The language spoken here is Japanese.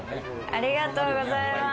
ありがとうございます。